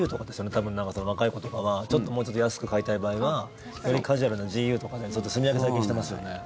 多分、若い子とかはもうちょっと安く買いたい場合はよりカジュアルなＧＵとかでちょっとすみ分け、最近してますよね。